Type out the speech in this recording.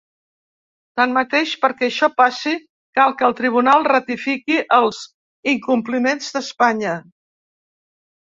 Tanmateix, perquè això passi, cal que el tribunal ratifiqui els incompliments d’Espanya.